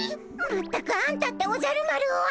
全くあんたっておじゃる丸は！